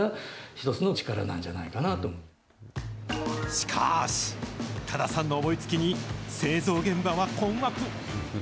しかし、多田さんの思いつきに、製造現場は困惑。